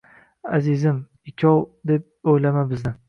“Azizim, ikov deb o’ylama bizni